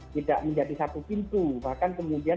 tidak menjadi satu pintu bahkan kemudian